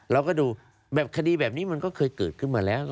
เราก็ดูแบบคดีแบบนี้มันก็เคยเกิดขึ้นมาแล้ว